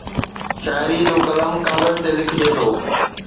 شاعري جو قلم ڪاغذ تي لکجي ٿو